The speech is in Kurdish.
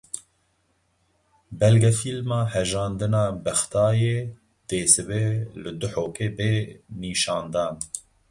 Belgefîlma Hejandina Bexdayê dê sibê li Duhokê bê nîşandan.